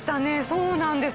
そうなんです。